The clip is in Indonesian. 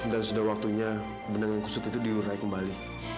dan sudah waktunya benangan kusut itu diurai kembali